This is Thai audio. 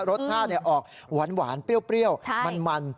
รสชาติออกหวานเปรี้ยวมัน